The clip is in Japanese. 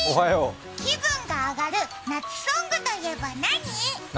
気分が上がるナツソングといえば何？